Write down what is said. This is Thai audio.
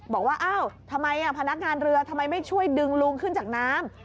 บอกว่าอ้าวทำไมพนักงานเรือทำไมไม่ช่วยดึงลุงขึ้นจากน้ำ